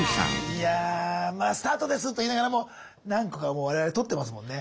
いやまあスタートですと言いながらも何個かもう我々撮ってますもんね。